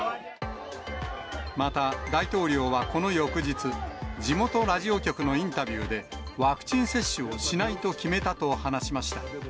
また、大統領はこの翌日、地元ラジオ局のインタビューで、ワクチン接種をしないと決めたと話しました。